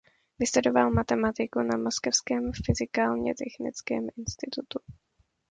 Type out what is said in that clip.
Vystudoval matematiku na Moskevském fyzikálně technickém institutu.